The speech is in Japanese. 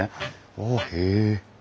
おおへえ。